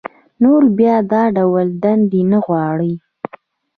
نور بيا دا ډول دندې نه غواړي